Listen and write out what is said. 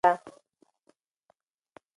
ده د اوږدمهاله فکر هڅه کوله.